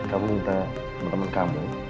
kamu minta teman teman kamu